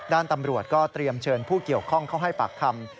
ด้านตำรวจก็เตรียมเชิญผู้เกี่ยวข้องเข้าให้ปากคำ